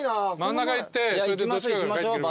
真ん中行ってそれでどっちかから帰ってくる。